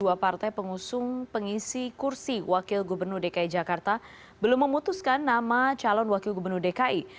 dua partai pengusung pengisi kursi wakil gubernur dki jakarta belum memutuskan nama calon wakil gubernur dki